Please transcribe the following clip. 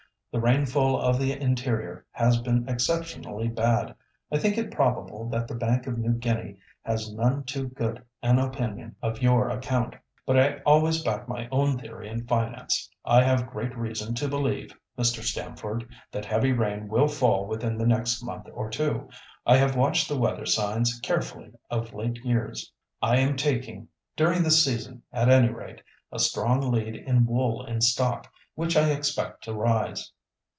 The rainfall of the interior has been exceptionally bad. I think it probable that the Bank of New Guinea has none too good an opinion of your account. But I always back my own theory in finance. I have great reason to believe, Mr. Stamford, that heavy rain will fall within the next month or two. I have watched the weather signs carefully of late years. I am taking—during this season, at any rate—a strong lead in wool and stock, which I expect to rise.